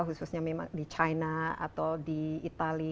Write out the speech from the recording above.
khususnya memang di china atau di itali